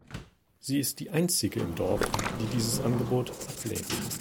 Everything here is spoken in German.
Sie ist die Einzige im Dorf, die dieses Angebot ablehnt.